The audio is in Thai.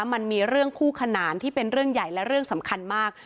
มันมีเรื่องคู่ขนานที่เป็นเรื่องใหญ่และเรื่องสำคัญมาก